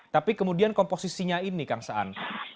tapi kemudian komposisinya ini kang saan